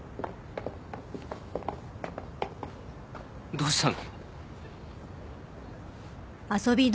どうしたの？